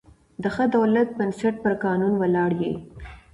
د ښه دولت بنسټ پر قانون ولاړ يي.